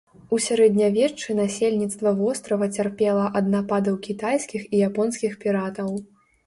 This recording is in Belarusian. У сярэднявеччы насельніцтва вострава цярпела ад нападаў кітайскіх і японскіх піратаў.